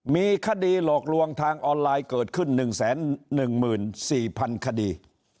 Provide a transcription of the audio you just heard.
มีคดีหลอกลวงทางออนไลน์เกิดขึ้น๑๑๔๐๐๐คดี